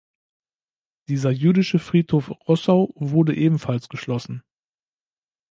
Dieser Jüdische Friedhof Roßau wurde ebenfalls geschlossen.